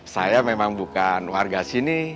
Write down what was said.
saya memang bukan warga sini